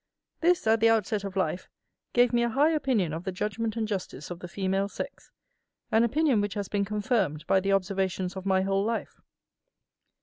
This, at the out set of life, gave me a high opinion of the judgment and justice of the female sex; an opinion which has been confirmed by the observations of my whole life.